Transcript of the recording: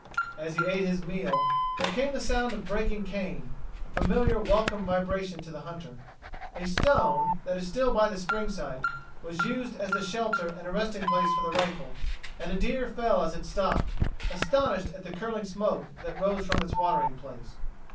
As he ate his meal there came the sound of breaking cane, a familiar welcomed vibration to a hunter. A stone, that is still by the spring side, was used as a shelter and a resting place for the rifle, and a deer fell as it stopped, astonished at the curling smoke that rose from its watering place.